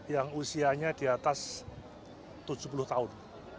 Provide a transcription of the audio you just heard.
yang usianya di atas tujuh puluh tahun